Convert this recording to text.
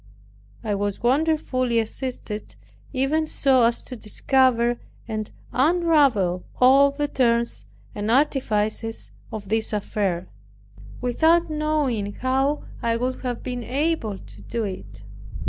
I was wonderfully assisted even so as to discover and unravel all the turns and artifices of this affair, without knowing how I could have been able to do it.